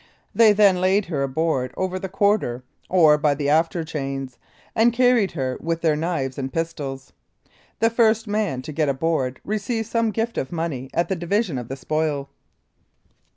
They then laid her aboard over the quarter, or by the after chains, and carried her with their knives and pistols. The first man to get aboard received some gift of money at the division of the spoil.